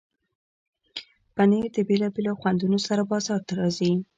پنېر د بیلابیلو خوندونو سره بازار ته راځي.